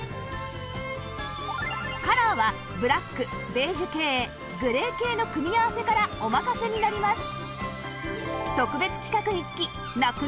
カラーはブラックベージュ系グレー系の組み合わせからお任せになります